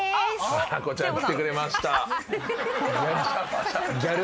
花子ちゃん来てくれました。